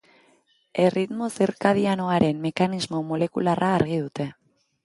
Erritmo zirkadianoaren mekanismo molekularra argi dute.